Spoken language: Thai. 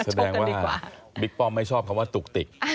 แสดงว่าบิ๊กป้อมไม่ชอบคำว่าตุกติก